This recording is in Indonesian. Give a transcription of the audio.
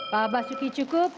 pak basuki cukup